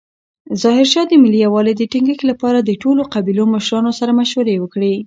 ظاهرشاه د ملي یووالي د ټینګښت لپاره د ټولو قبیلو مشرانو سره مشورې وکړې.